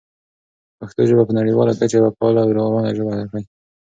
پښتو ژبه په نړیواله کچه یوه فعاله او روانه ژبه کړئ.